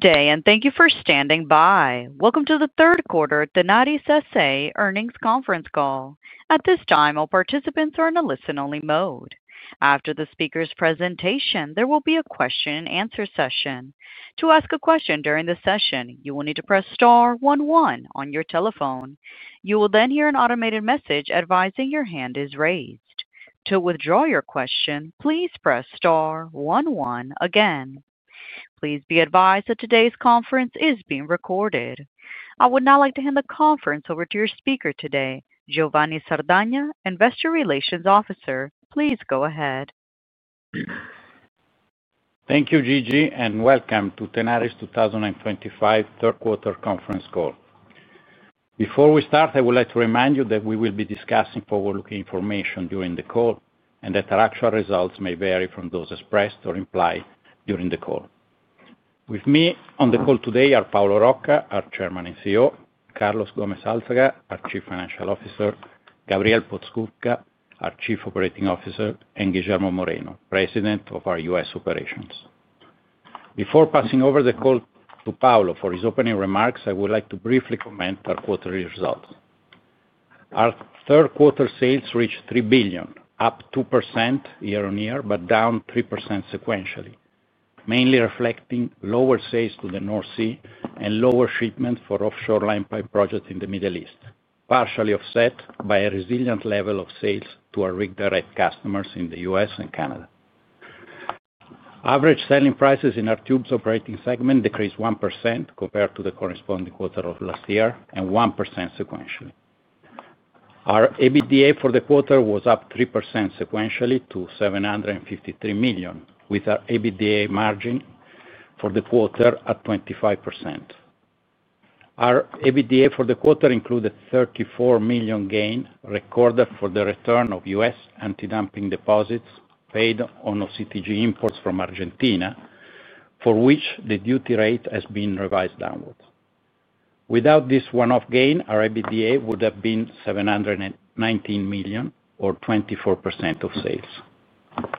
Good day and thank you for standing by. Welcome to the third quarter Tenaris S.A. earnings conference call. At this time, all participants are in a listen-only mode. After the speaker's presentation, there will be a question and answer session. To ask a question during the session, you will need to press star one one on your telephone. You will then hear an automated message advising your hand is raised. To withdraw your question, please press star one one again. Please be advised that today's conference is being recorded. I would now like to hand the conference over to your speaker today, Giovanni Sardagna, Investor Relations Officer. Please go ahead. Thank you, Gigi, and welcome to Tenaris 2025 third quarter conference call. Before we start, I would like to remind you that we will be discussing forward-looking information during the call and that our actual results may vary from those expressed or implied during the call. With me on the call today are Paolo Rocca, our Chairman and CEO, Carlos Gómez Álzaga, our Chief Financial Officer, Gabriel Podskubka, our Chief Operating Officer, and Guillermo Moreno, President of our U.S. Operations. Before passing over the call to Paolo for his opening remarks, I would like to briefly comment on our quarterly results. Our third quarter sales reached $3 billion, up 2% year on year but down 3% sequentially, mainly reflecting lower sales to the North Sea and lower shipment for offshore line pipe projects in the Middle East, partially offset by a resilient level of sales to our Rig Direct customers in the U.S. and Canada. Average selling prices in our tubes operating segment decreased 1% compared to the corresponding quarter of last year and 1% sequentially. Our EBITDA for the quarter was up 3% sequentially to $753 million, with our EBITDA margin for the quarter at 25%. Our EBITDA for the quarter included a $34 million gain recorded for the return of U.S. anti-dumping deposits paid on OCTG imports from Argentina for which the duty rate has been revised downwards. Without this one-off gain, our EBITDA would have been $719 million or 24% of sales.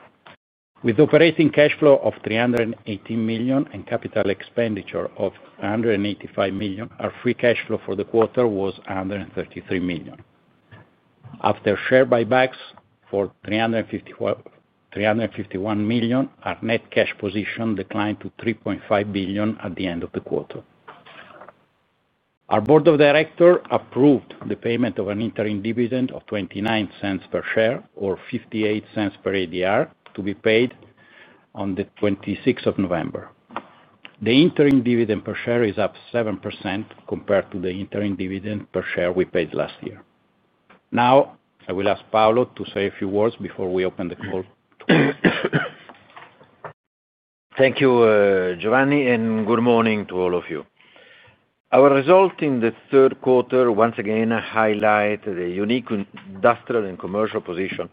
With operating cash flow of $318 million and capital expenditure of $185 million, our free cash flow for the quarter was $133 million. After share buybacks for $351 million, our net cash position declined to $3.5 billion. At the end of the quarter. Our. Board of Directors approved the payment of an interim dividend of $0.29 per share or $0.58 per ADR to be paid on 26th November. The interim dividend per share is up 7% compared to the interim dividend per share we paid last year. Now I will ask Paolo to say a few words before we open the call. Thank you, Giovanni, and good morning to all of you. Our result in the third quarter once again highlight the unique industrial and commercial position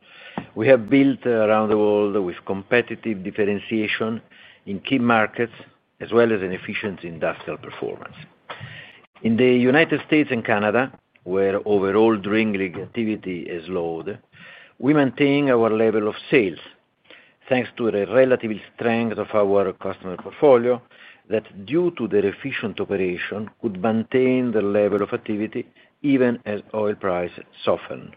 we have built around the world with competitive differentiation in key markets as well as an efficient industrial performance. In the United States and Canada, where overall rig activity has slowed we maintain our level of sales thanks to the relative strength of our customer portfolio that, due to their efficient operation, could maintain the level of activity even as oil prices soften.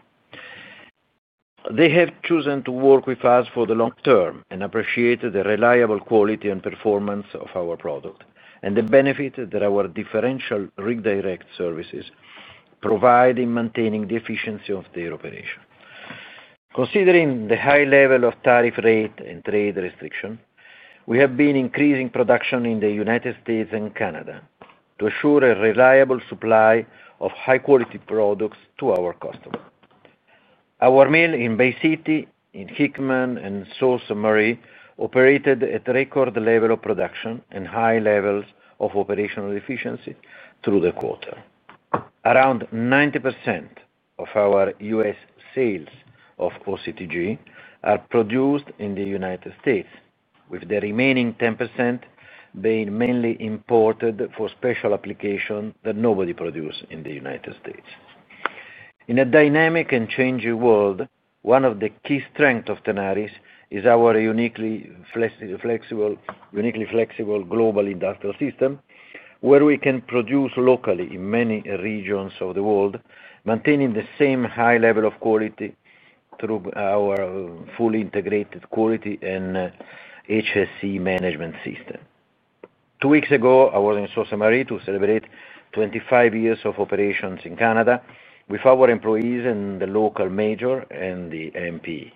They have chosen to work with us for the long term and appreciate the reliable quality and performance of our product and the benefit that our differential Rig Direct services provide in maintaining the efficiency of their operation. Considering the high level of tariff rate and trade restriction, we have been increasing production in the United States and Canada to assure a reliable supply of high-quality products to our customers. Our mill in Bay City, in Hickman, and Sault Ste. Marie operated at record level of production and high levels of operational efficiency through the quarter. Around 90% of our U.S. sales of OCTG are produced in the United States, with the remaining 10% being mainly imported for special applications that nobody produces in the United States. In a dynamic and changing world, one of the key strengths of Tenaris is our uniquely flexible global industrial system where we can produce locally in many regions of the world, maintaining the same high level of quality through our fully integrated quality and HSE management system. Two weeks ago, I was in Sault Ste. Marie to celebrate 25 years of operations in Canada with our employees and the local mayor and the MP.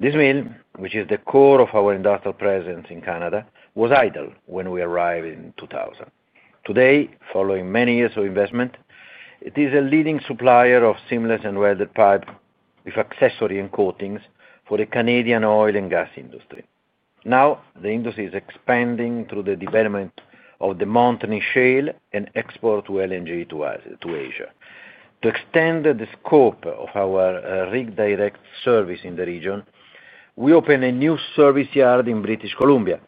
This mill, which is the core of our industrial presence in Canada, was idle when we arrived in 2000. Today, following many years of investment, it is a leading supplier of seamless and welded pipe with accessories and coatings for the Canadian oil and gas industry. Now the industry is expanding through the development of the Montney shale and export of LNG to Asia. To extend the scope of our Rig Direct service in the region, we opened a new service yard in British Columbia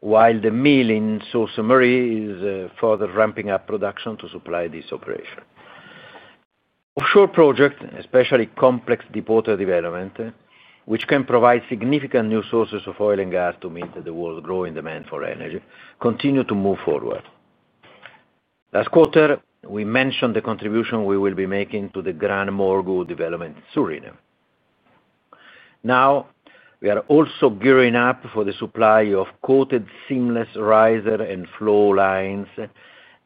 while the mill in Sault Ste. Marie is further ramping up production to supply this operation. Offshore projects, especially complex deepwater development which can provide significant new sources of oil and gas to meet the world's growing demand for energy, continue to move forward. Last quarter we mentioned the contribution we will be making to the Gran Murgu development in Suriname. Now we are also gearing up for the supply of coated seamless riser and flow lines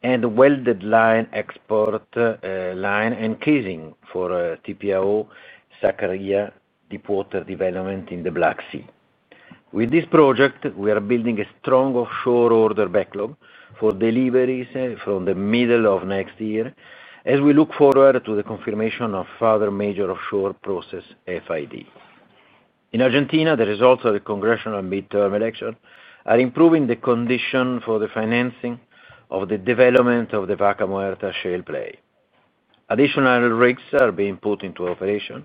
and welded line, export line and casing for the Sakarya Deepwater Development in the Black Sea. With this project, we are building a strong offshore order backlog for deliveries from the middle of next year as we look forward to the confirmation of further major offshore projects FID. In Argentina, the results of the Congressional midterm election are improving the condition for the financing of the development of the Vaca Muerta shale play. Additional rigs are being put into operation.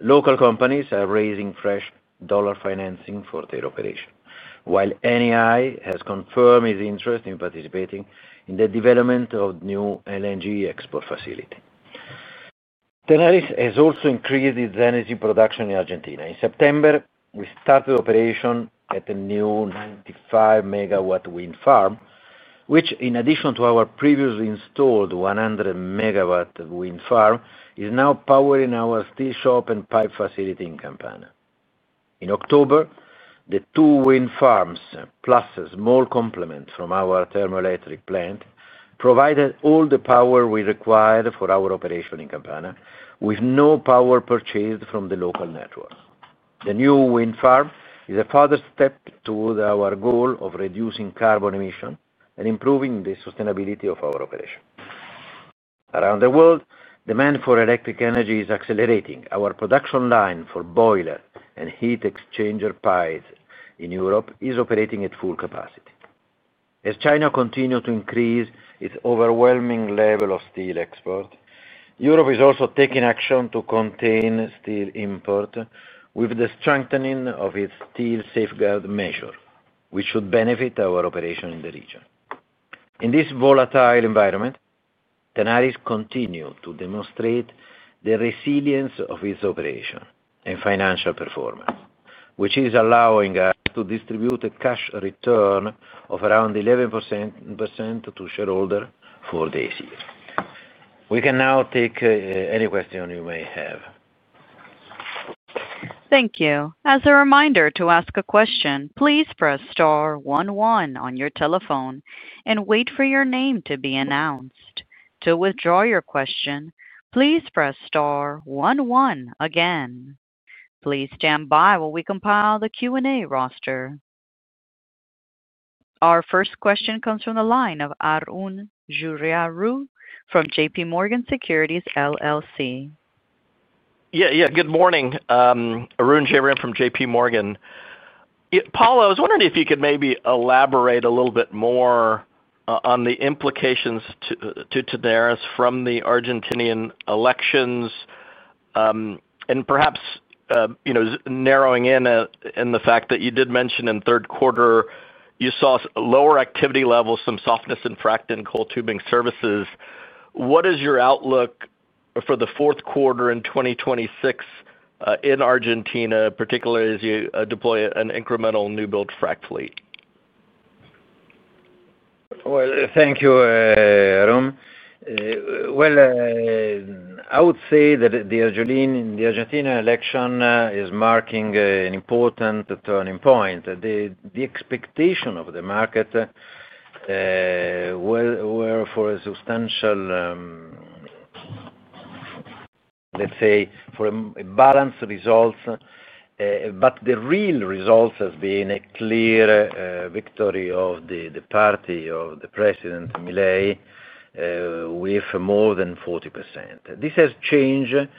Local companies are raising fresh dollar financing for their operation. While NEI has confirmed its interest in participating in the development of new LNG export facility, Tenaris has also increased its energy production in Argentina. In September, we started operation at a new 95 megawatt wind farm which in addition to our previously installed 100 megawatt wind farm is now powering our steel shop and pipe facility in Campana. In October, the two wind farms plus a small complement from our thermoelectric plant provided all the power we required for our operation in Campana. With no power purchased from the local network, the new wind farm is a further step toward our goal of reducing carbon emission and improving the sustainability of our operation. Around the world, demand for electric energy is accelerating. Our production line for boiler and heat exchanger pipes in Europe is operating at full capacity. As China continues to increase its overwhelming level of steel export, Europe is also taking action to contain steel import with the strengthening of its steel safeguard measure which should benefit our operation in the region. In this volatile environment, Tenaris continues to demonstrate the resilience of its operation and financial performance which is allowing us to distribute a cash return of around 11% to shareholders for this year. We can now take any question you may have. Thank you. As a reminder to ask a question, please press star one one on your telephone and wait for your name to be announced. To withdraw your question, please press star one one again. Please stand by while we compile the Q&A roster. Our first question comes from the line of Arun Jayaram from JPMorgan Securities LLC. Yeah, good morning. Arun Jayaram from JPMorgan. Paolo, I was wondering if you could maybe elaborate a little bit more on the implications to Tenaris from the Argentinian elections and perhaps narrowing in the fact that you did mention in the third quarter you saw lower activity levels, some softness in fracking and coiled tubing services. What is your outlook for the fourth quarter in 2026 in Argentina, particularly as you deploy an incremental new build frac fleet? Thank you, Arun. I would say that the Argentina election is marking an important turning point. The expectation of the market were for a substantial, let's say, for balanced results. The real results have been a clear victory of the party of President Milei with more than 40%. This has changed, let's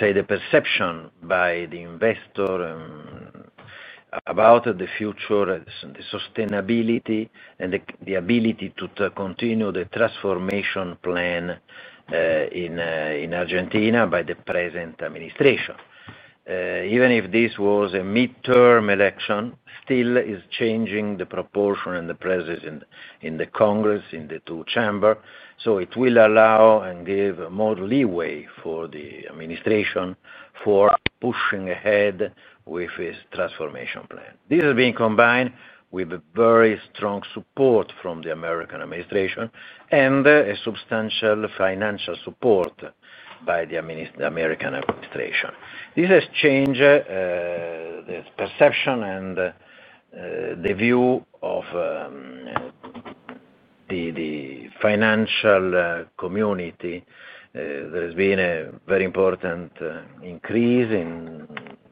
say, the perception by the investor about the future, the sustainability, and the ability to continue the transformation plan in Argentina by the present administration. Even if this was a midterm election, it still is changing the proportion and the presence in the Congress in the two chambers. It will allow and give more leeway for the administration for pushing ahead with its transformation plan. This has been combined with very strong support from the American administration and a substantial financial support by the American administration. This has changed its perception and the view of the financial community. There has been a very important increase in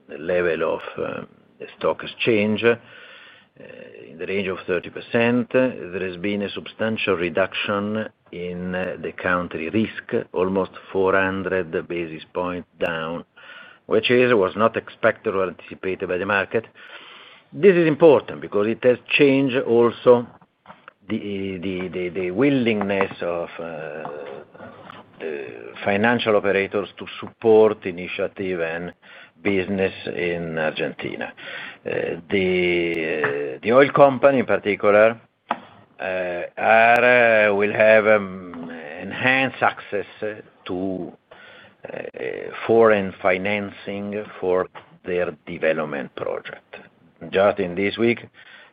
the level of stock exchange in the range of 30%. There has been a substantial reduction in the country risk, almost 400 basis points down, which was not expected or anticipated by the market. This is important because it has changed. Also. The willingness of financial operators to support initiative and business in Argentina. The oil company in particular will have enhanced access to foreign financing for their development project. Just in this week,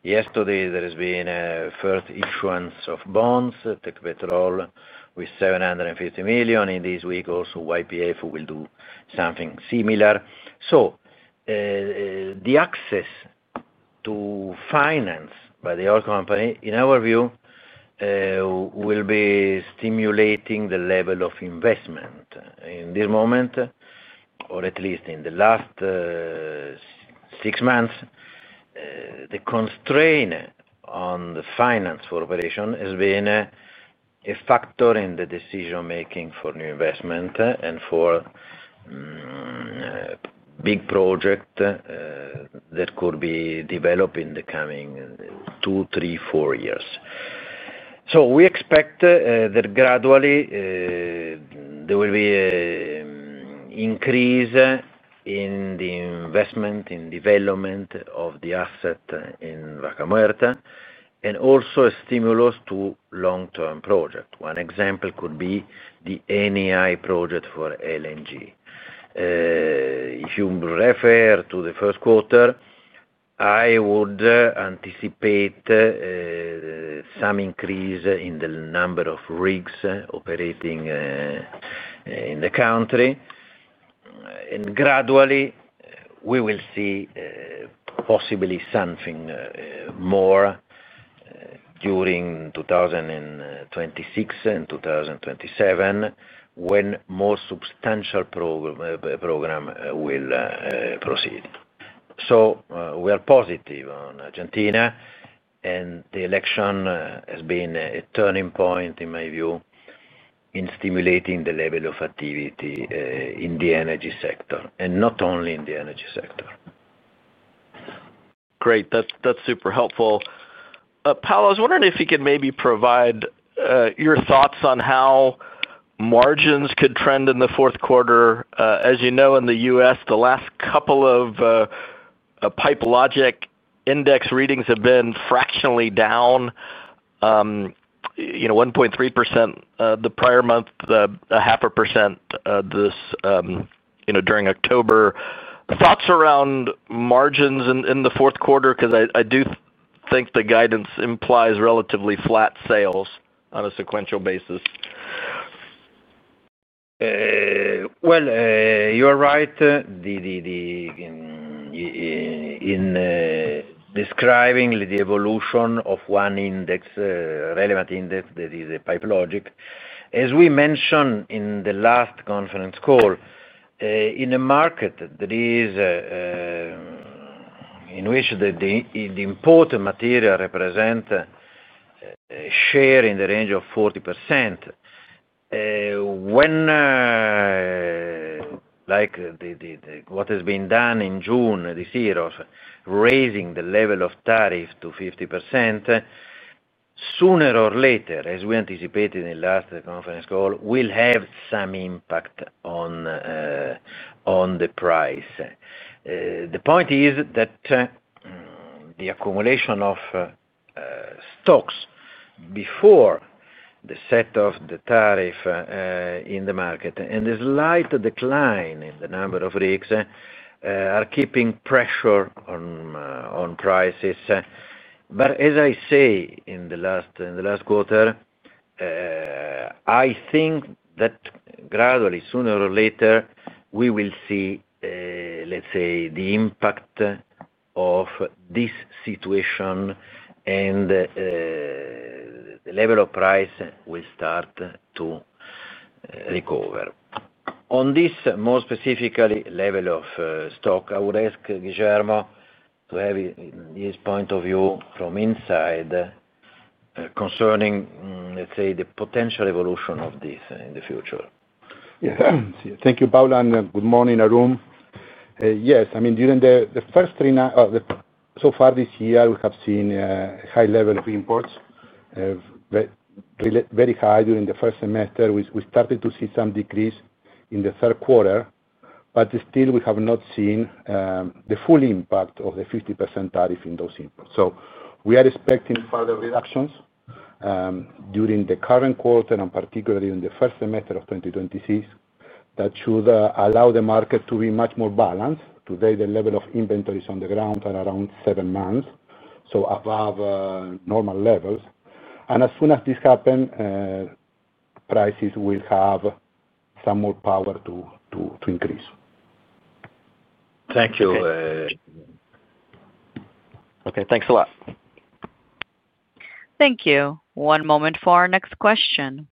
yesterday there has been a first issuance of bonds, the capital with $750 million. In this week also YPF will do something similar. The access to finance by the oil company in our view will be stimulating the level of investment in this moment, or at least in the last six months. The constraint on the finance for operation has been a factor in the decision making for new investment and for big project that could be developed in the coming two, three, four years. We expect that gradually there will be increase in the investment in development of the asset in Vaca Muerta and also a stimulus to long term project. One example could be the NEI project for LNG. If you refer to the first quarter, I would anticipate some increase in the number of rigs operating in the country. Gradually we will see possibly something more during 2026 and 2027 when more substantial program will proceed. We are positive on Argentina. The election has been a turning point in my view in stimulating the level of activity in the energy sector and not only in the energy sector. Great, that's super helpful. Paolo, I was wondering if you could maybe provide your thoughts on how margins could trend in the fourth quarter. As you know, in the U.S. the last couple of Pipe Logix index readings have been fractionally down, you know, 1.3% the prior month, 0.5% this, you know, during October. Thoughts around margins in the fourth quarter because I do think the guidance implies relatively flat sales on a sequential basis. You are right in describing the evolution of one index, relevant index, that is a pipe logic as we mentioned in the last conference call, in a market in which the imported material represents share in the range of 40%. When, like what has been done in June this year of raising the level of tariff to 50%, sooner or later, as we anticipated in last conference call, it will have some impact on the price. The point is that the accumulation of stocks before the set of the tariff in the market and the slight decline in the number of rigs are keeping pressure on prices. As I say, in the last quarter I think that gradually, sooner or later, we will see, let's say, the impact of this situation and the level of price will start to recover on this. More specifically, level of stock. I would ask Guillermo to have his point of view from inside concerning, let's say, the potential evolution of this in the future. Thank you, Paolo, and good morning, Arun. Yes, I mean during the first three so far this year we have seen a high level of imports, very high during the first semester. We started to see some decrease in the third quarter, but still we have not seen the full impact of the 50% tariff in those imports. We are expecting further reductions during the current quarter and particularly in the first semester of 2026. That should allow the market to be much more balanced. Today the level of inventories on the ground are around seven months, so above normal levels, and as soon as this happens prices will have some more power to increase. Thank you. Okay, thanks a lot. Thank you. One moment for our next question.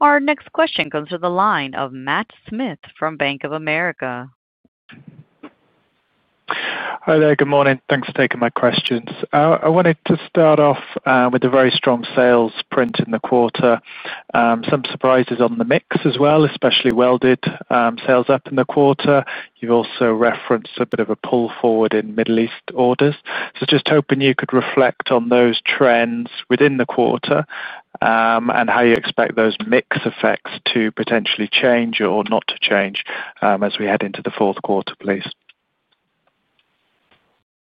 Our next question comes from the line of Matt Smith from Bank of America. Hi there. Good morning. Thanks for taking my questions. I wanted to start off with a very strong sales print in the quarter. Some surprise on the mix as well, especially welded sales up in the quarter. You also referenced a bit of a pull forward in Middle East orders. I am just hoping you could reflect on those trends within the quarter and how you expect those mix effects to potentially change or not to change as we head into the fourth quarter. Please.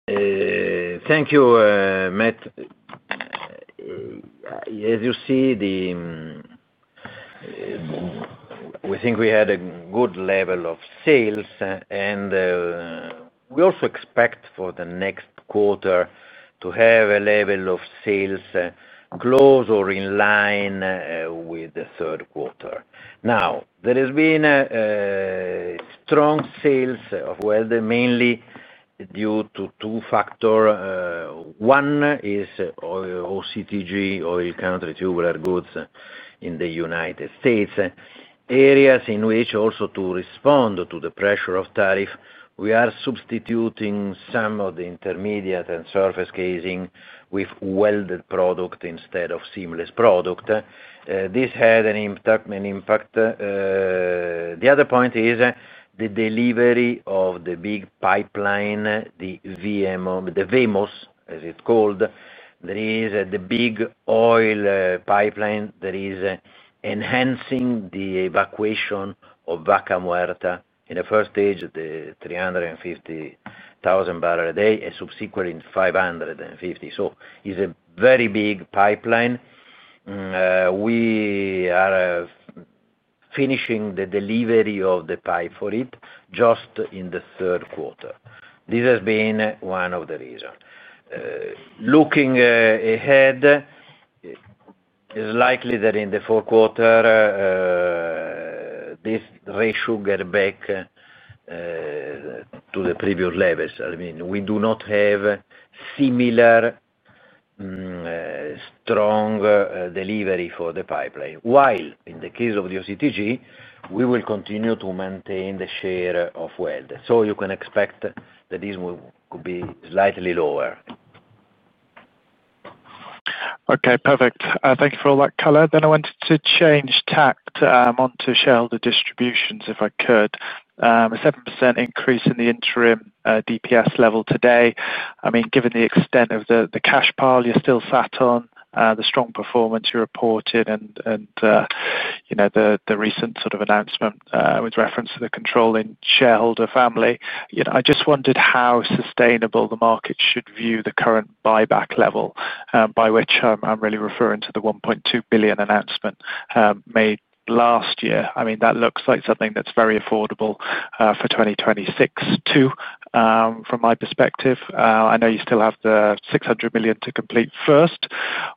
Thank you, Matt. As you see, we think we had a good level of sales and we also expect for the next quarter to have a level of sales close or in line with the third quarter. There has been strong sales as well, mainly due to two factors. One is OCTG, oil country tubular goods, in the U.S. Areas in which, also to respond to the pressure of tariff, we are substituting some of the intermediate and surface casing with welded product instead of seamless product. This had an impact. The other point is the delivery of the big pipeline, the VMO, the VMOs, as it's called. There is the big oil pipeline that is enhancing the evacuation of Vaca Muerta in the first stage, the 350,000 barrels a day and subsequent 550,000. It's a very big pipeline. We are finishing the delivery of the pipe for it just in the third quarter. This has been one of the reasons. Looking ahead, it's likely that in the fourth quarter this ratio gets back to the previous levels. I mean, we do not have similar strong delivery for the pipeline. In the case of the OCTG, we will continue to maintain the share of wells. You can expect the diesel could be slightly lower. Okay, perfect. Thank you for all that color. I wanted to change tact onto shareholder distributions if I could. A 7% increase in the interim DPS level today. I mean, given the extent of the cash pile you're still sat on, the strong performance you reported, and the recent sort of announcement with reference to the controlling shareholder family, I just wondered how sustainable the market should view the current buyback level, by which I'm really referring to the $1.2 billion announcement made last year. I mean, that looks like something that's very affordable for 2026 too, from my perspective. I know you still have the $600 million to complete first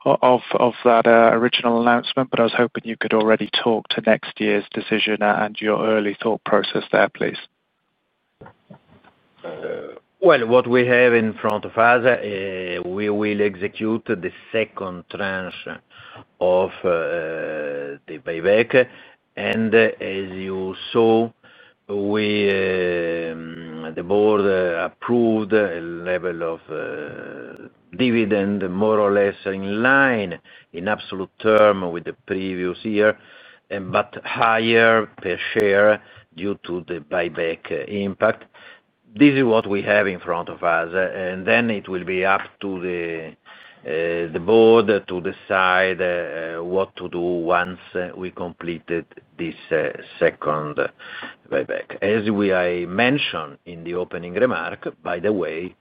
off of that original announcement, but I was hoping you could already talk to next year's decision and your early thought process there, please. What we have in front of us, we will execute the second transfer of the buyback. As you saw, the board approved a level of dividend more or less in line in absolute terms with the previous year, but higher per share due to the buyback impact. This is what we have in front of us, and it will be up to the board to decide what to do once we completed this second buyback. As I mentioned in the opening remark, by the way,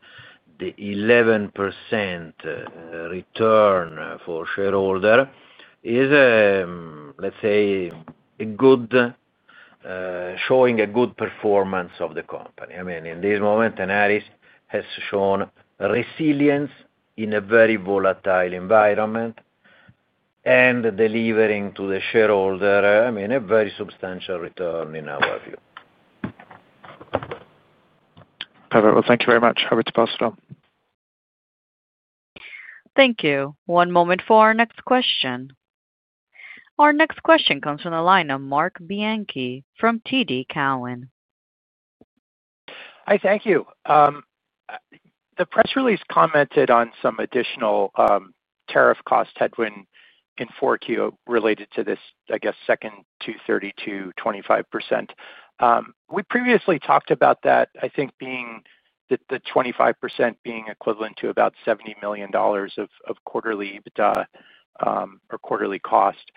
the 11% return for shareholder is, let's say, a good showing, a good performance of the company. I mean, in this moment Tenaris has shown resilience in a very volatile environment and delivering to the shareholder, I mean, a very substantial return in our view. Perfect. Thank you very much. Happy to pass it on. Thank you. One moment for our next question. Our next question comes from the line of Marc Bianchi from TD Cowen. Hi, thank you. The press release commented on some additional tariff cost headwind in 4Q related to this, I guess second 232, 25%. We previously talked about that, I think, being the 25% being equivalent to about $70 million of quarterly EBITDA or quarterly cost.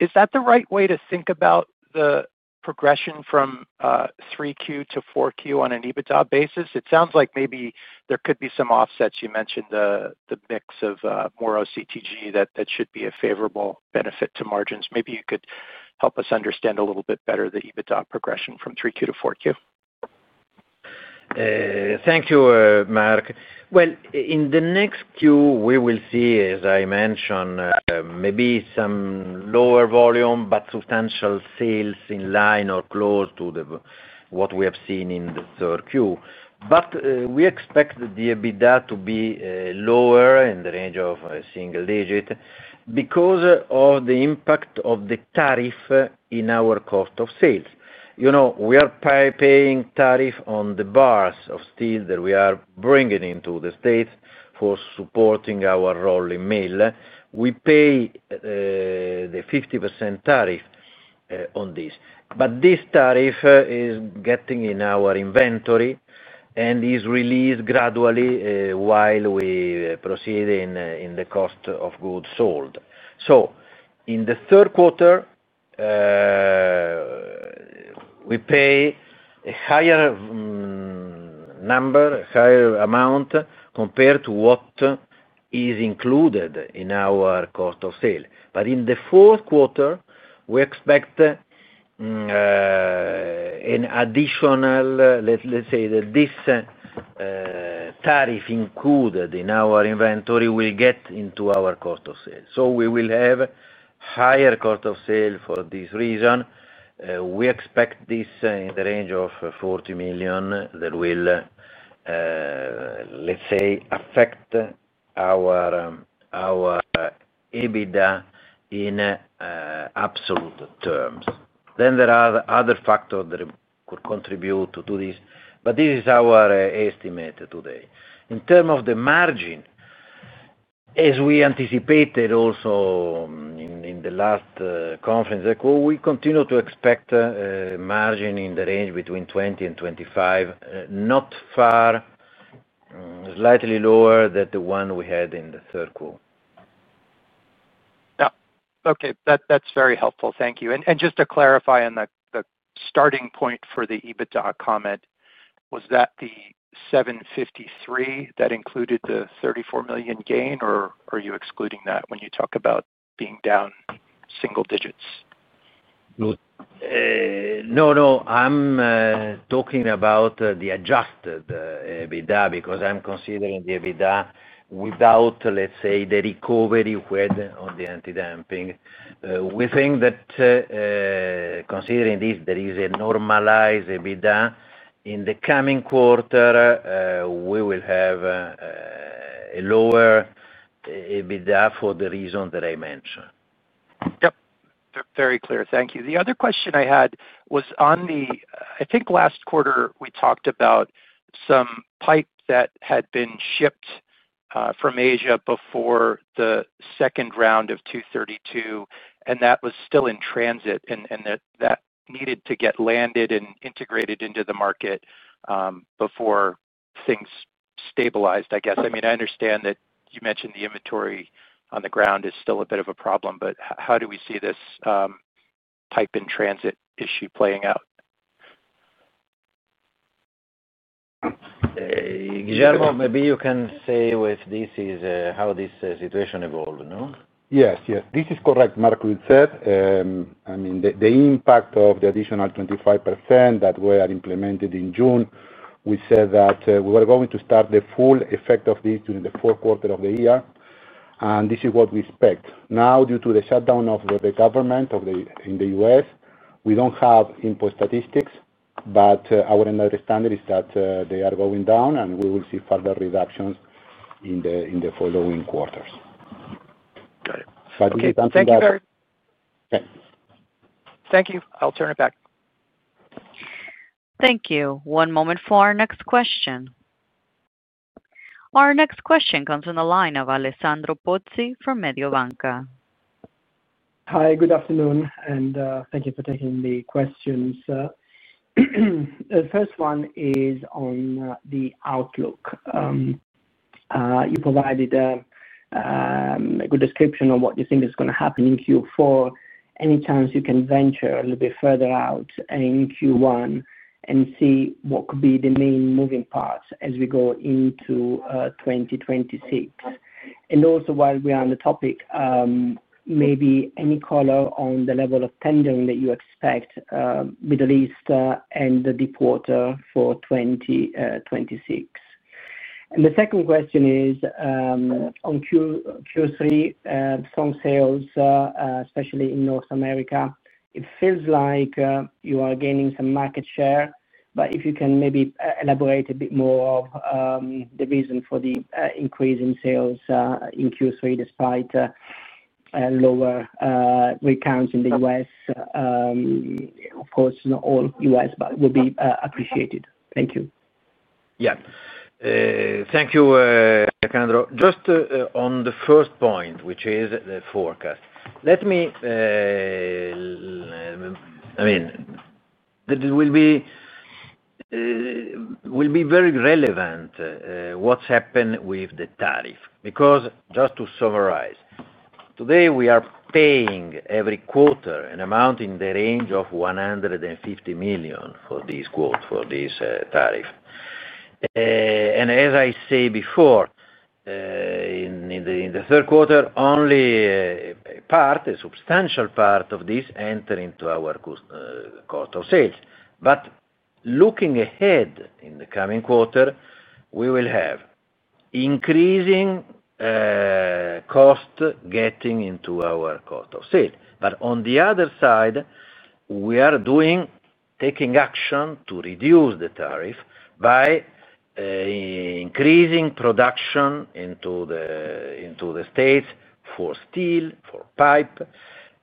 Is that the right way to think about the progression from 3Q to 4Q on an EBITDA basis? It sounds like maybe there could be some offsets. You mentioned the mix of more OCTG. That should be a favorable benefit to margins. Maybe you could help us understand a little bit better the EBITDA progression from 3Q to 4Q. Thank you, Marc. In the next quarter, we will see, as I mentioned, maybe some lower volume but substantial sales in line or close to what we have seen in the third quarter. We expect the EBITDA to be lower, in the range of single digit, because of the impact of the tariff in our cost of sales. You know we are paying tariff on the bars of steel that we are bringing into the U.S. for supporting our rolling mill. We pay the 50% tariff on this. This tariff is getting in our inventory and is released gradually while we are proceeding in the cost of goods sold. In the third quarter, we pay a higher number, higher amount compared to what is included in our cost of sale. In the fourth quarter, we expect an additional, let's say, that this tariff included in our inventory will get into our cost of sale. We will have higher cost of sale for this reason. We expect this in the range of $40 million that will, let's say, affect our EBITDA in absolute terms. There are other factors that could contribute to this. This is our estimate today in terms of the margin, as we anticipated. Also, in the last conference, we continue to expect margin in the range between 20%-25%, not far, slightly lower than the one we had in the third quarter. Okay, that's very helpful, thank you. Just to clarify on the starting point for the EBITDA comment, was that the $753 million that included the $34 million gain, or are you excluding that when you talk about being down single digits? No, no, I'm talking about the adjusted EBITDA because I'm considering the EBITDA without, let's say, the recovery we are on the anti-dumping. We think that considering this, there is a normalized EBITDA. In the coming quarter, we will have a lower EBITDA for the reason that I mentioned. Yep, very clear. Thank you. The other question I had was on the, I think last quarter we talked about some pipe that had been shipped from Asia before the second round of 232, and that was still in transit and that needed to get landed and integrated into the market before things stabilized, I guess. I mean, I understand that you mentioned the inventory on the ground is still a bit of a problem, but how do we see this type in transit issue playing out? Guillermo, maybe you can say if this is how this situation evolved. Yes, yes, this is correct. Marc said, I mean the impact of the additional 25% that were implemented in June. We said that we were going to start the full effect of this during the fourth quarter of the year, and this is what we expect. Now, due to the shutdown of the government in the U.S., we don't have input statistics, but our understanding is that they are going down, and we will see further reductions in the following quarters. Got it. Thank you. Thank you. I'll turn it back. Thank you. One moment for our next question. Our next question comes in the line of Alessandro Pozzi from Mediobanca. Hi, good afternoon, and thank you for taking the questions. The first one is on the outlook. You provided a good description of what. You think is going to happen in Q4. Any chance you can venture a little bit further out in Q1 and see what could be the main moving parts as we go into 2026? Also, while we are on the topic, maybe any color on the level of tenders that you expect, Middle East and the deepwater for 2026. The second question is on Q3, some sales, especially in North America. It feels like you are gaining some market share. If you can maybe elaborate a bit more on the reason for the increase in sales in Q3 despite lower rig counts in the U.S., of course, not all U.S. will be appreciated. Thank you. Yeah, thank you. Alessandro, just on the first point, which is the forecast, it will be very relevant what's happened with the tariff because just to summarize, today we are paying every quarter an amount in the range of $150 million for this, for this tariff. As I said before, in the third quarter, only part, a substantial part of this enters into our cost of sales. Looking ahead in the coming quarter, we will have increasing cost getting into our cost of sales. On the other side, we are taking action to reduce the tariff by increasing production in the States for steel, for pipe.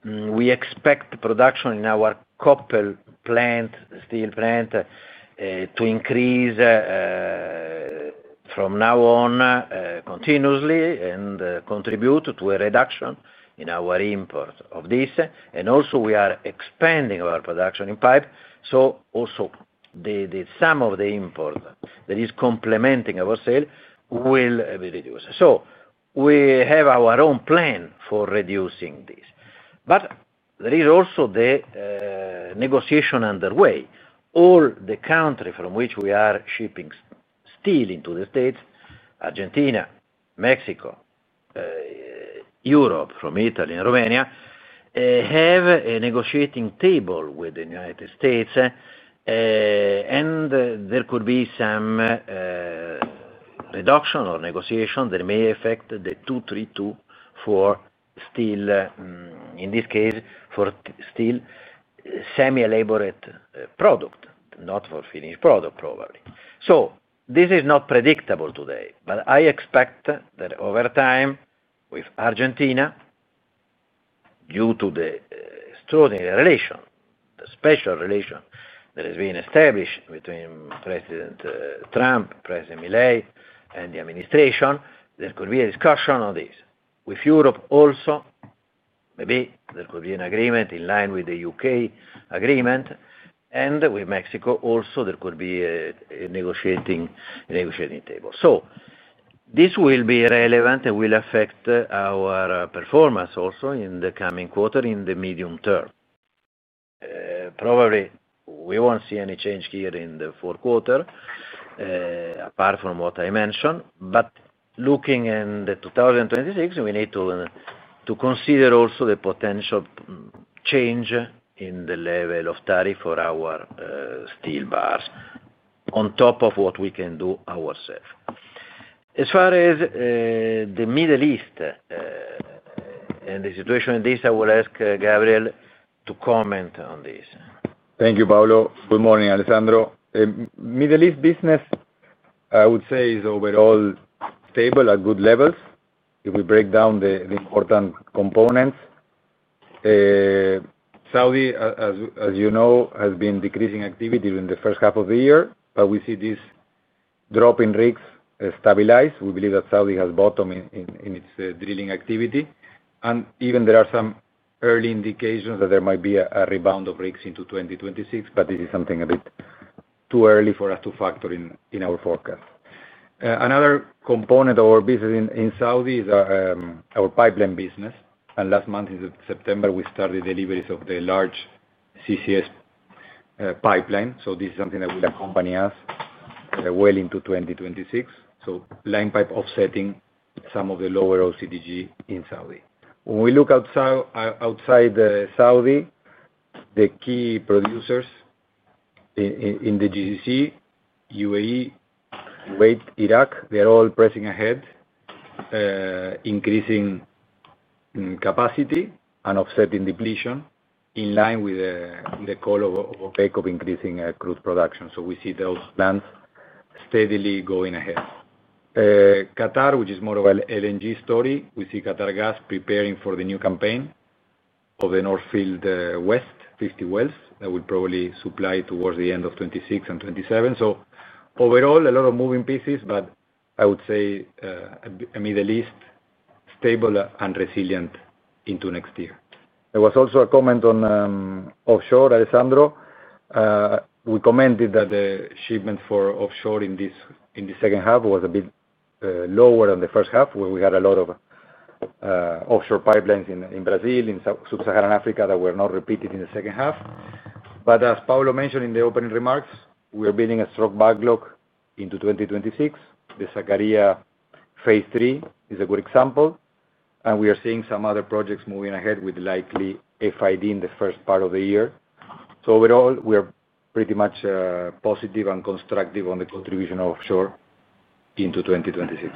We expect production in our steel plant to increase from now on continuously and contribute to a reduction in our import of this. Also, we are expanding our production in pipe, so some of the import that is complementing our sale will be reduced. We have our own plan for reducing this, but there is also the negotiation underway. All the countries from which we are shipping steel into the States, Argentina, Mexico, Europe from Italy and Romania, have a negotiating table with the United States and there could be some reduction or negotiation that may affect the 232 for steel. In this case for steel, semi-finished product, not for finished product probably. This is not predictable today, but I expect that over time with Argentina, due to the relation, the special relation that has been established between President Trump, President Milei and the administration, there could be a discussion on this. With Europe also, maybe there could be an agreement in line with the U.K. agreement, and with Mexico also there could be a negotiating table. This will be relevant and will affect our performance also in the coming quarter. In the medium term, probably we won't see any change here in the fourth quarter apart from what I mentioned. Looking in 2026, we need to consider also the potential change in the level of tariff for our steel bars on top of what we can do ourselves. As far as the Middle East and the situation in this. I will ask Gabriel to comment on this. Thank you, Paolo. Good morning, Alessandro. Middle East business I would say is overall stable at good levels. If we break down the important components, Saudi, as you know, has been decreasing activity in the first half of the year, but we see this drop in rigs stabilized. We believe that Saudi has bottomed in its drilling activity, and even there are some early indications that there might be a rebound of rigs into 2026. This is something a bit too early for us to factor in our forecast. Another component of our business in Saudi is our pipeline business, and last month in September we started deliveries of the large CCS pipeline. This is something that will accompany us well into 2026, so line pipe offsetting some of the lower OCTG in Saudi. When we look outside Saudi, the key. Producers in the GCC, UAE, Kuwait, Iraq, they're all pressing ahead increasing capacity and offsetting depletion in line with the call of OPEC of increasing crude production. We see those plans steadily going ahead. Qatar, which is more of an LNG story, we see Qatar Gas preparing for the new campaign of the North Field West 50 wells that will probably supply towards the end of 2026 and 2027. Overall, a lot of moving pieces, but I would say Middle East stable and resilient into next year. There was also a comment on offshore, Alessandro. We commented that the achievement for offshore in the second half was a bit lower than the first half where we had a lot of offshore pipelines in Brazil, in Sub-Saharan Africa, that were not repeated in the second half. As Paolo mentioned in the opening remarks, we are building a strong backlog into 2026. The Sakarya Phase 3 is a good example. We are seeing some other projects moving ahead with likely FID in the first part of the year. Overall, we are pretty much positive and constructive on the contribution of offshore into 2026.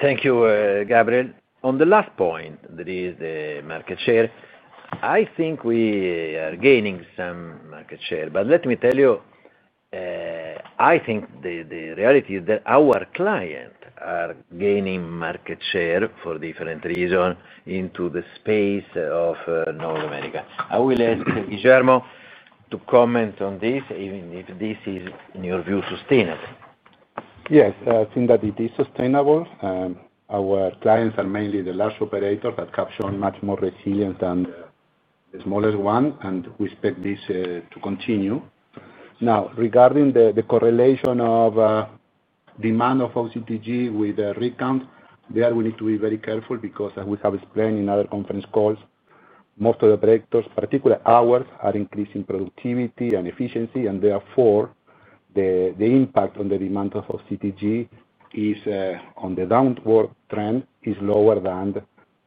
Thank you, Gabriel. On the last point, that is the market share, I think we are gaining some market share, but let me tell you, I think the reality is that our clients are gaining market share for different reasons in the space of North America. I will ask Guillermo to comment on this, even if this is, in your view, sustainable. Yes, I think that it is sustainable. Our clients are mainly the large operators that have shown much more resilience than the smallest one, and we expect this to continue. Now, regarding the correlation of demand of OCTG with rig count there, we need to be very careful because as we have explained in other conference calls, most of the predictors, particularly ours, are increasing productivity and efficiency, and therefore the impact on the demand of OCTG is on the downward trend is lower than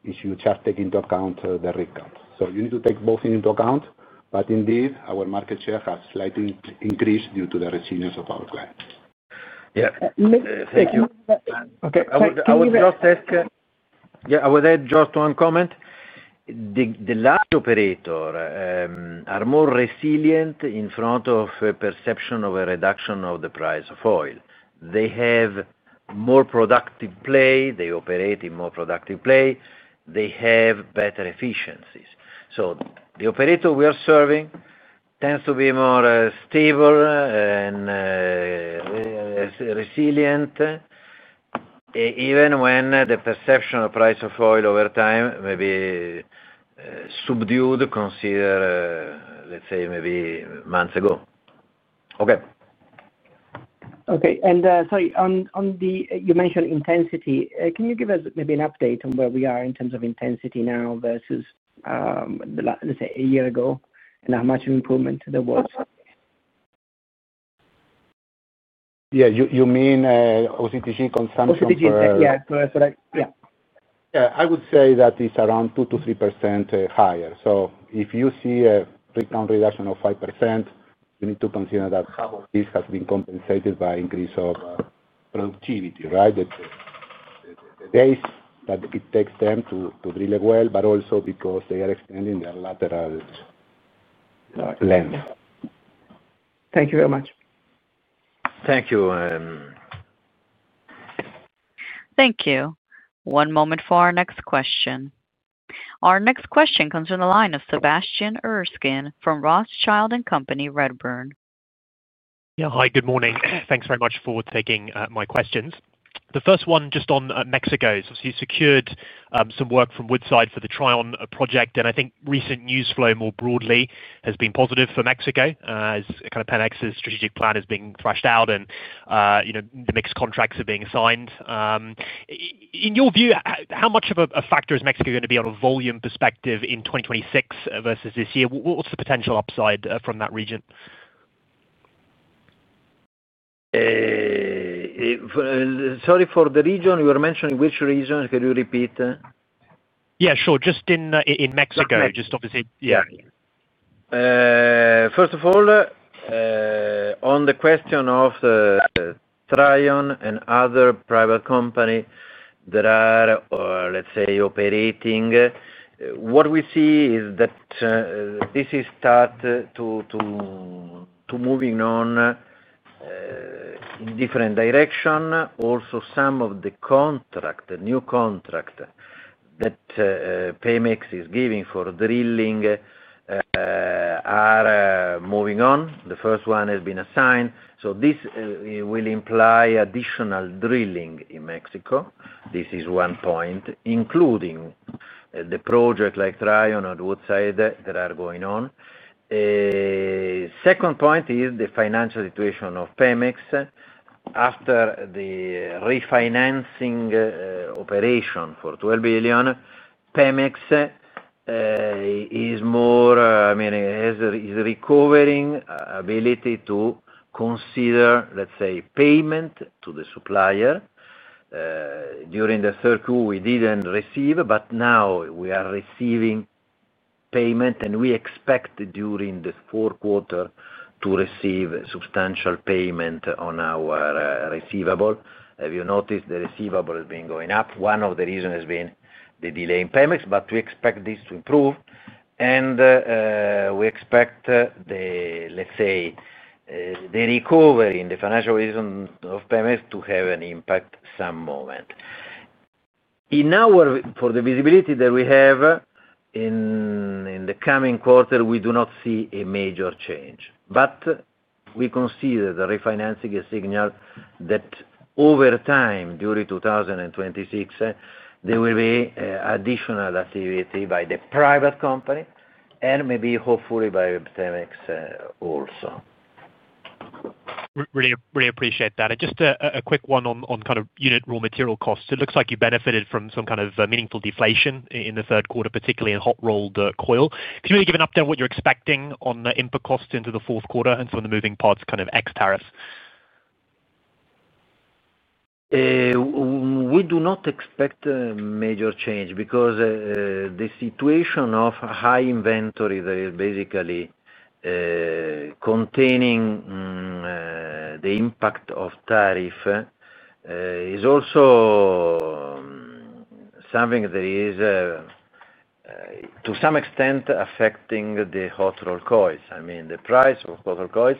if you just take into account the rig count. You need to take both into account. Indeed, our market share has slightly increased due to the resilience of our clients. Thank you. Okay, I would just ask. Yeah, I would add just one comment. The large operator are more resilient in front of a perception of a reduction of the price of oil. They have more productive play. They operate in more productive play. They have better efficiencies. The operator we are serving tends to be more stable, resilient, even when the perception of price of oil over time may be subdued. Consider, let's say maybe months ago. Okay. Okay. Sorry, you mentioned intensity. Can you give us maybe an update on where we are in terms of intensity now versus, let's say, a year ago and how much improvement there was? Yeah, you mean OCTG consumption. Yeah, that's right. Yeah. I would say that it's around 2%-3% higher. If you see a breakdown reduction of 5%, you need to consider that half of this has been compensated by increase of productivity. Right. The days that it takes them to drill well, but also because they are expensive and in their lateral length. Thank you very much. Thank you. Thank you. One moment for our next question. Our next question comes from the line of Sebastian Erskine from Rothschild & Company Redburn. Yeah, hi, good morning. Thanks very much for taking my questions. The first one just on Mexico, you secured some work from Woodside for the Trion project. I think recent news flow more broadly has been positive for Mexico as kind of Pemex's strategic plan is being threshed out, and you know, the mixed contracts are being signed. In your view, how much of a factor is Mexico going to be on a volume perspective in 2026 versus this year? What's the potential upside from that region? Sorry, for the region you were mentioning. Which region? Can you repeat? Yeah, sure. Just in Mexico, just obviously, yeah. First of all, on the question of Trion and other private company that are, let's say, operating, what we see is that this is start to moving on in different direction. Also, some of the contract, the new contract that Pemex is giving for drilling are moving on. The first one has been assigned. This will imply additional drilling in Mexico. This is one point, including the project like Trion at Woodside that are going on. Second point is the financial situation of Pemex after the refinancing operation for $12 billion. Pemex is more, I mean, is a recovering ability to consider, let's say, payment to the supplier. During the third quarter we didn't receive, but now we are receiving payment, and we expect during the fourth quarter to receive substantial payment on our receivable. Have you noticed the receivable has been going up? One of the reason has been the delay in Pemex, but we expect this to improve, and we expect the, let's say, the recovery in the financial reason of Pemex to have an impact some moment in our. For the visibility that we have in the coming quarter, we do not see a major change, but we consider the refinancing a signal that over time during 2026 there will be additional activity by the private company and maybe hopefully by Pemex also. Really appreciate that. Just a quick one on kind of unit raw material costs. It looks like you benefited from some kind of meaningful deflation in the third quarter, particularly in hot rolled coil. Can you give an update on what you're expecting on the input costs into the fourth quarter and some of the moving parts kind of ex tariff. We do not expect major change because the situation of high inventory that is basically containing the impact of tariff is also something that is to some extent affecting the hot rolled coils. I mean the price of hot rolled coils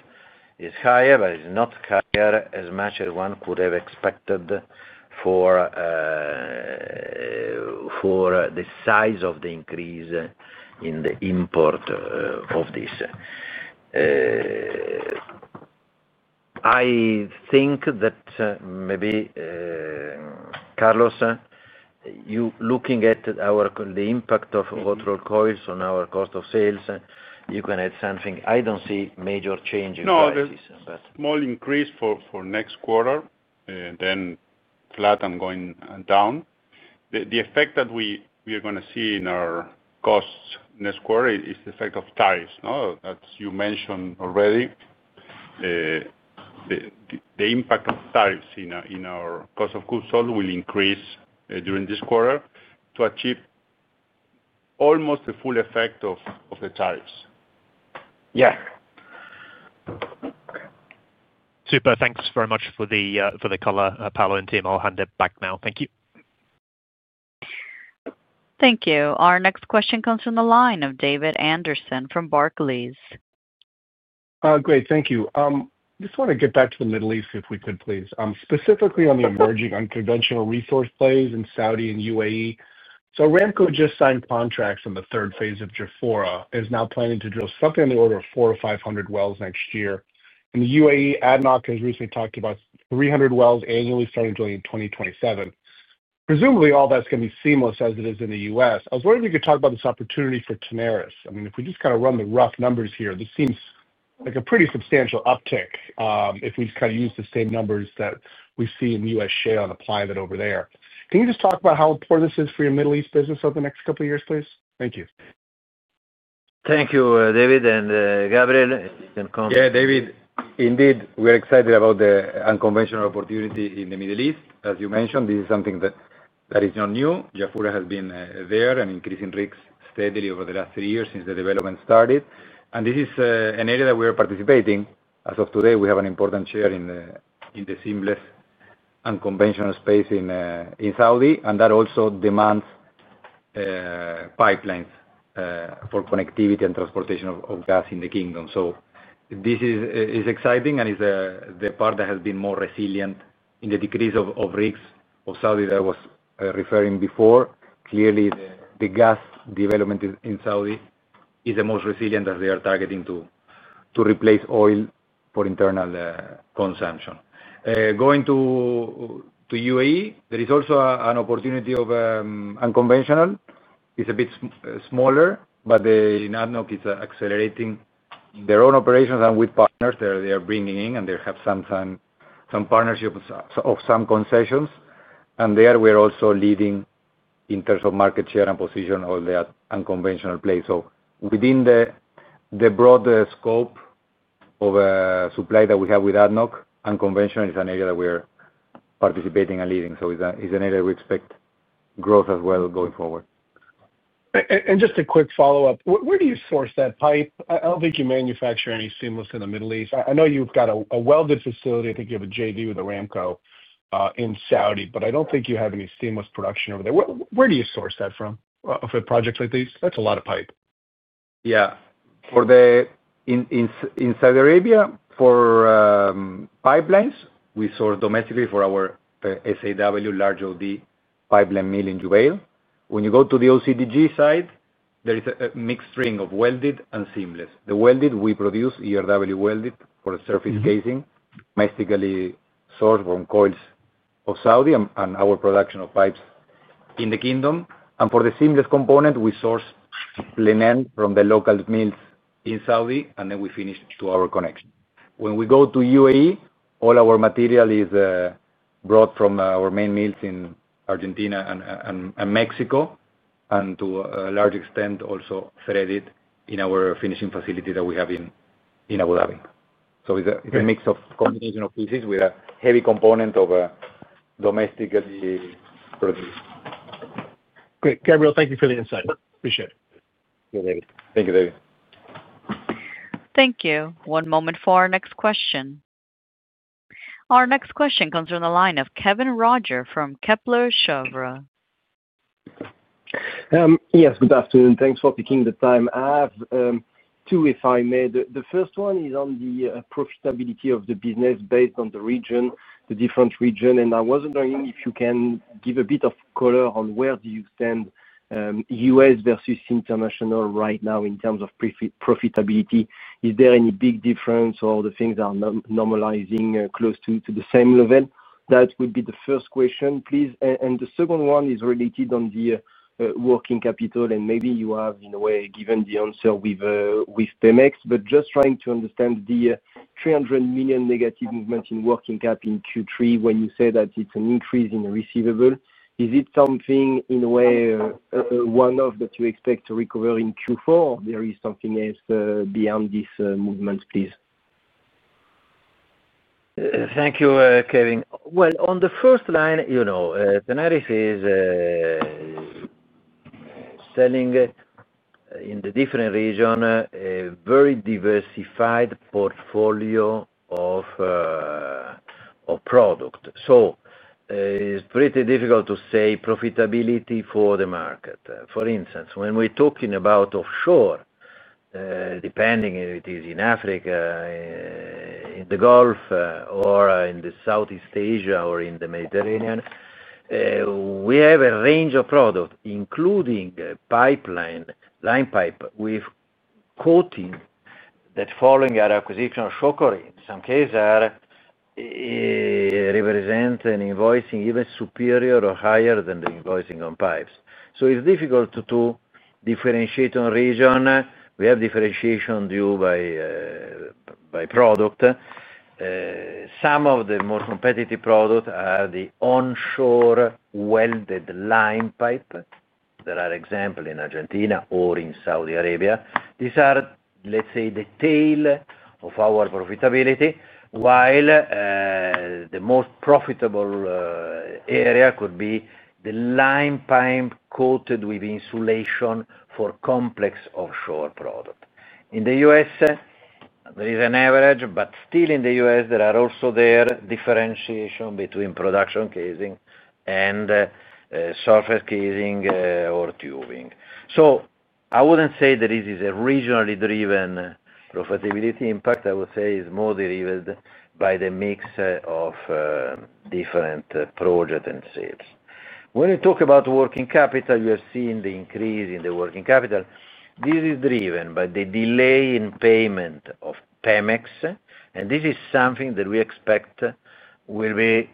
is higher but is not higher as much as one could have expected. For. The size of the increase in the import of this. I think that maybe, Carlos, you looking at the impact of hot rolled coils on our cost of sales, you can add something. I don't see. Major change in small increase for next quarter and then flat and going down. The effect that we are going to see in our costs next quarter is the effect of tariffs. As you mentioned already, the impact of tariffs in our cost of goods sold will increase during this quarter to achieve almost the full effect of the tariffs. Yes, super. Thanks very much for the color, Paolo and team. I'll hand it back now. Thank you. Thank you. Our next question comes from the line of David Anderson from Barclays. Great, thank you. Just want to get back to the. Middle East if we could please, specifically on the emerging unconventional resource plays in Saudi and UAE. Aramco just signed contracts in the third phase of Jafurah is now planning. To drill something on the order of. 400 or 500 wells next year in the UAE. ADNOC has recently talked about 300 wells. Annually starting drilling in 2027. Presumably all that's going to be seamless. As it is in the U.S., I was wondering if you could talk about this opportunity for Tenaris. I mean, if we just kind of. Run the rough numbers here, this seems like a pretty substantial uptick if we. Kind of use the same numbers that we see in the U.S. shale. Apply that over there. Can you just talk about how important this is for your Middle East business? Over the next couple years, please? Thank you. Thank you, David and Gabriel. Yeah, David, indeed we're excited about the unconventional opportunity in the Middle East. As you mentioned, this is something that is not new. Jafura has been there and increasing rigs steadily over the last three years since the development started. This is an area that we are participating as of today. We have an important share in the seamless unconventional space in Saudi, and that also demands pipelines for connectivity and transportation of gas in the kingdom. This is exciting and is the part that has been more resilient in the decrease of rigs of Saudi that I was referring to before. Clearly, the gas development in Saudi is the most resilient as they are targeting to replace oil for internal consumption. Going to UAE, there is also an opportunity of unconventional. It's a bit smaller, but ADNOC is accelerating their own operations and with partners that they are bringing in, and they have some partnership of some concessions, and there we're also leading in terms of market share and position of that unconventional play. Within the broad scope of supply that we have with ADNOC, unconventional is an area that we are participating and leading. It's an area we expect growth as well going forward. Just a quick follow up. Where do you source that pipe? I don't think you manufacture any seamless in the Middle East. I know you've got a welded facility. I think you have a JV with. Aramco in Saudi, I don't think. You have any seamless production over there. Where do you source that? From projects like these. That's a lot of pipe. Yeah. In Saudi Arabia, for pipelines, we source domestically for our SAW large OD pipeline mill in Jubail. When you go to the OCTG side. There is a mixed string of welded and seamless. The welded, we produce ERW welded for surface casing domestically sourced from coils of Saudi and our production of pipes in the Kingdom. For the seamless component, we source line pipe from the local mills in Saudi. We finish to our connection when we go to UAE. All our material is brought from our main mills in Argentina and Mexico and to a large extent also threaded in our finishing facility that we have in Abu Dhabi. It's a mix of combination of pieces with a heavy component of domestically produced. Great. Gabriel, thank you for the insight. Appreciate it. Thank you, David. Thank you. One moment for our next question. Our next question comes from the line of Kévin Roger from Kepler Cheuvreux. Yes, good afternoon. Thanks for taking the time. I have two if I may. The first one is on the profitability of the business based on the region, the different region. I was wondering if you can give a bit of color on where. Do you stand U.S. versus international right? Now in terms of profitability, is there any big difference or are things normalizing close to the same level? That would be the first question, please. The second one is related to the working capital and maybe you have in a way given the answer with Pemex, but just trying to understand the $300 million negative movement in working capital in Q3. When you say that it's an increase in receivable, is it something in a way one-off that you expect to recover in Q4? Is there something else beyond this movement? Please. Thank you, Kévin. On the first line, you know, Tenaris is selling in the different regions a very diversified portfolio of products. It's pretty difficult to say profitability for the market. For instance, when we're talking about offshore, depending if it is in Africa, in the Gulf, in Southeast Asia, or in the Mediterranean, we have a range of products including pipeline line pipe with coating that, following our acquisition of Shockery in some cases, represent an invoicing even superior or higher than the invoicing on pipes. It's difficult to differentiate on region. We have differentiation due by product. Some of the more competitive products are the onshore welded line pipe. There are examples in Argentina or in Saudi Arabia. These are, let's say, the tail of our profitability, while the most profitable area could be the line pipe coated with insulation for complex offshore product. In the U.S. there is an average, but still in the U.S. there are also differentiation between production casing and surface casing or tubing. I wouldn't say that this is a regionally driven profitability impact. I would say it is more derived by the mix of different projects and sales. When we talk about working capital, you have seen the increase in the working capital. This is driven by the delay in payment of Pemex, and this is something that we expect will be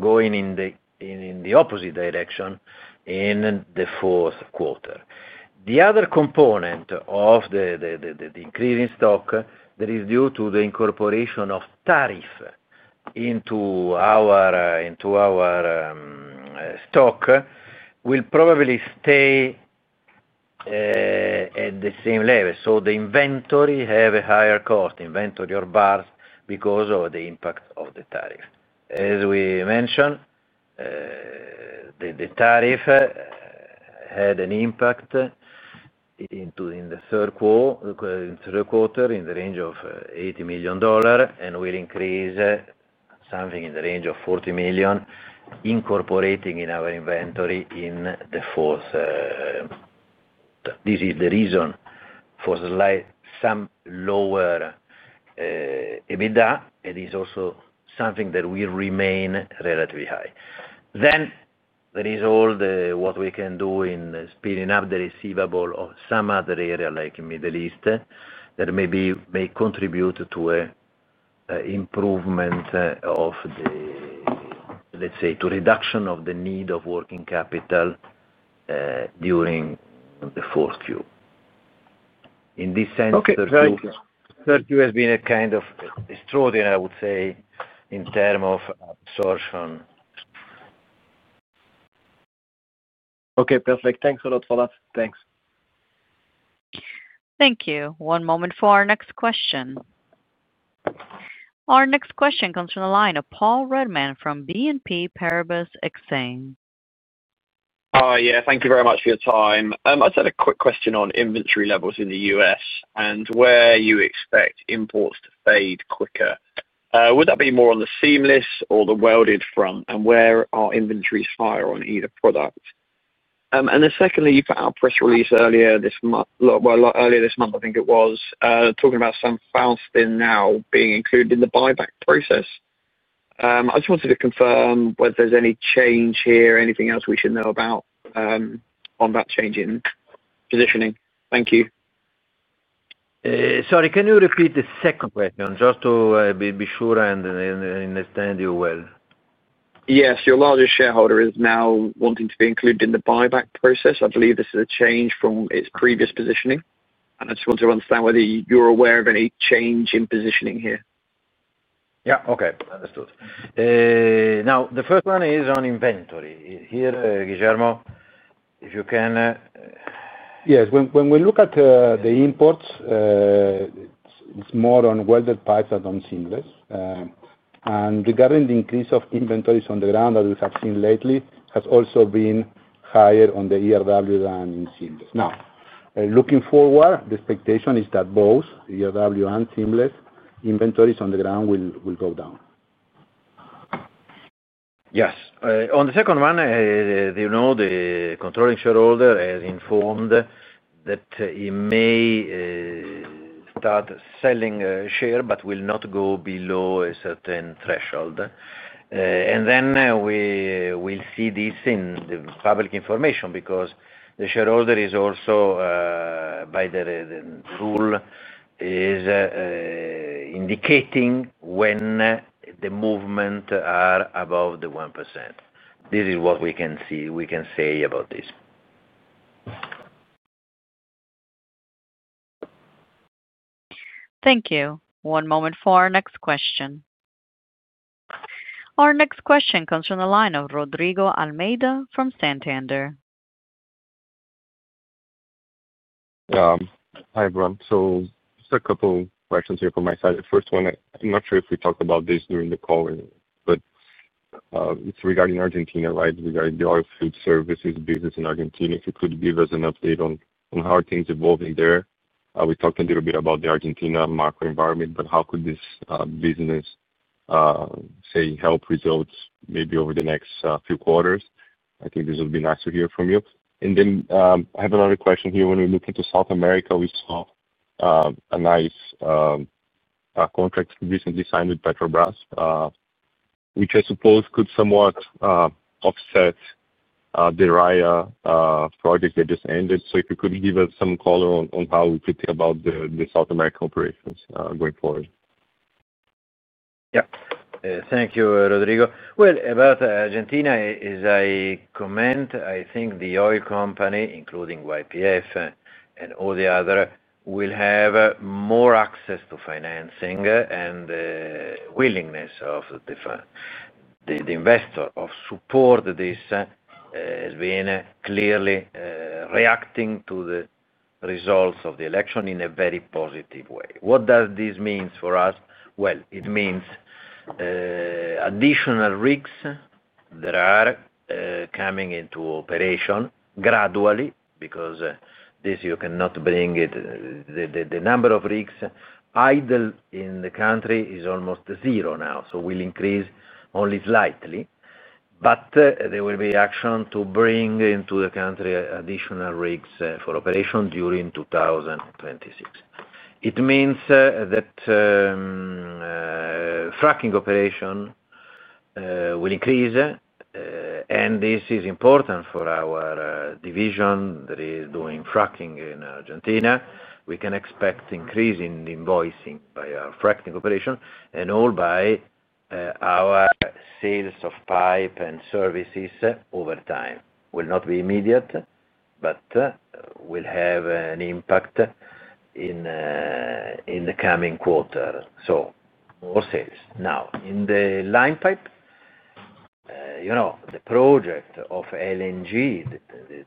going in the opposite direction in the fourth quarter. The other component of the increasing stock that is due to the incorporation of tariff into our stock will probably stay at the same level. The inventory has a higher cost inventory or bars because of the impact of the tariff. As we mentioned, the tariff had an impact in the third quarter in the range of $80 million and will increase something in the range of $40 million incorporating in our inventory in the fourth quarter. This is the reason for some lower EBITDA. It is also something that will remain relatively high. There is all that we can do in speeding up the receivable of some other area like Middle East that maybe may contribute to an improvement, let's say to reduction of the need of working capital during the fourth quarter. In this sense, 32 has been a kind of extraordinary, I would say, in terms of absorption. Okay, perfect. Thanks a lot for that. Thanks. Thank you. One moment for our next question. Our next question comes from the line of Paul Redman from BNP Paribas Exane. Thank you very much for your time. I had a quick question on inventory. Levels in the U.S. and where you. Expect imports to fade quicker. Would that be more on the seamless or the welded front? Where are inventories higher on either product? Secondly, you put out a press release earlier this month. Earlier this month, I think it was talking about some foul spin now being included in the buyback process. I just wanted to confirm whether there's any change here. Anything else we should know about on that change in positioning? Thank you. Sorry, can you repeat the second question just to be sure and understand you well? Your largest shareholder is now wanting to be included in the buyback process. I believe this is a change from its previous positioning. I just want to understand whether. You're aware of any change in positioning here. Yeah, okay, understood. Now the first one is on inventory here, Guillermo, if you can. Yes. When we look at the imports, it's more on welded pipes than on seamless. Regarding the increase of inventories on the ground that we have seen lately, it has also been higher on the ERW than in seamless. Now, looking forward, the expectation is that both seamless inventories on the ground will go down. Yes. On the second one, the controlling shareholder has informed that he may start selling shares but will not go below a certain threshold. We will see this in the public information because the shareholder also by the rule is indicating when the movements are above the 1%. This is what we can see, we can say about this. Thank you. One moment for our next question. Our next question comes from the line of Rodrigo Almeida from Santander. Hi everyone. Just a couple questions here from my side. The first one, I'm not sure if we talked about this during the call, but it's regarding Argentina, right. Regarding the oil field services business in Argentina, if you could give us an update on how things evolving there. We talked a little bit about the Argentina macro environment, but how could this business say, help results? Maybe over the next few quarters? I think this would be nice to hear from you. I have another question here. When we look into South America, we. Saw a nice contract recently signed with Petrobras, which I suppose could somewhat offset the Raya project that just ended. If you could give us some color on how we could think about. This automatic operation is going forward. Thank you, Rodrigo. About Argentina, as I comment, I think the oil company, including YPF and all the others, will have more access to financing and willingness of the fund, the investor of support. This has been clearly reacting to the results of the election in a very positive way. What does this mean for us? It means additional rigs that are coming into operation gradually because you cannot bring it. The number of rigs idle in the country is almost zero now, so will increase only slightly. There will be action to bring into the country additional rigs for operation during 2026. It means that fracking operation will increase and this is important for our division that is doing fracking in Argentina. We can expect increase in invoicing by our fracking operation and all by our sales of pipe and services over time will not be immediate, but will have an impact in the coming quarter. More sales now in the line pipe. You know, the project of LNG,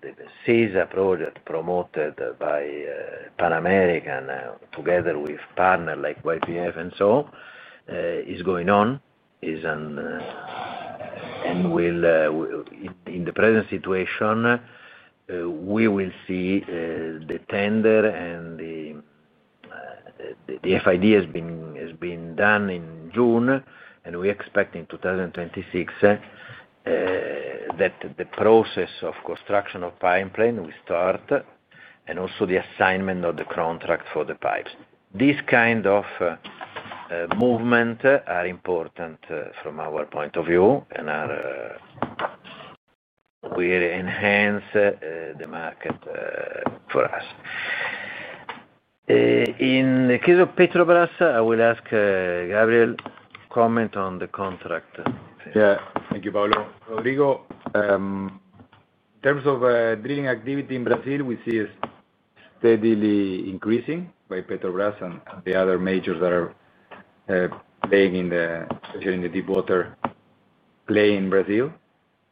the CESAR project promoted by Pan American, together with partners like YPF and so on, is going on. In the present situation we will see the tender and the FID has been done in June. We expect in 2026 that the process of construction of pipeline will start and also the assignment of the contract for the pipes. This kind of movement is important from our point of view and will enhance the market for us. In the case of Petrobras, I will ask Gabriel to comment on the contract. Yeah, thank you, Paolo. Rodrigo. In terms of drilling activity in Brazil, we see a steadily increasing by Petrobras and the other majors that are playing in the deep water play in Brazil.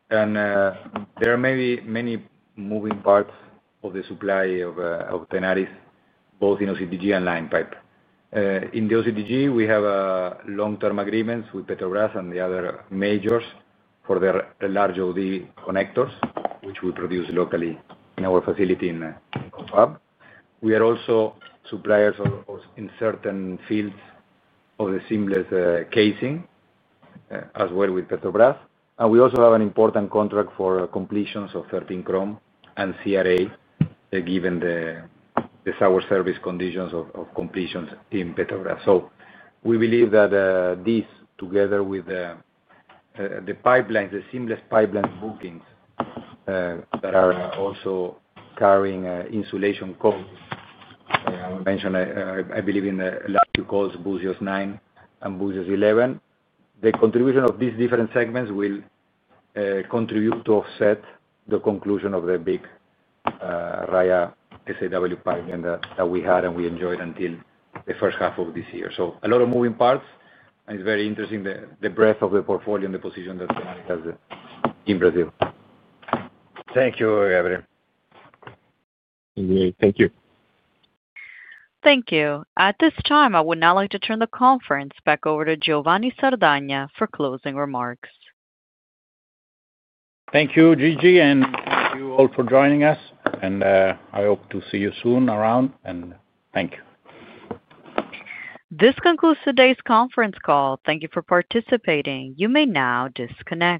There are many moving parts of the supply of Tenaris both in OCTG and line pipe. In the OCTG, we have long term agreements with Petrobras and the other majors for their large ODs connectors which we produce locally in our facility in Capuava. We are also suppliers in certain fields of the seamless casing as well with Petrobras. We also have an important contract for completions of 13 Chrome and CRA given the sour service conditions of completions in Petrobras. We believe that these together with the pipelines, the seamless pipeline bookings that are also carrying insulation coats I mentioned, I believe in the last two calls, Búzios 9 and Búzios 11. The contribution of these different segments will contribute to offset the conclusion of the big Rota 3 pipeline that we had and we enjoyed until the first half of this year. A lot of moving parts and it's very interesting the breadth of the portfolio and the position that has in Brazil. Thank you, Gabriel. Thank you. Thank you. At this time, I would now like to turn the conference back over to Giovanni Sardagna for closing remarks. Thank you, Gigi. Thank you all for joining us. I hope to see you soon around, and thank you. This concludes today's conference call. Thank you for participating. You may now disconnect.